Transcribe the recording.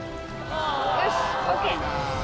よしＯＫ。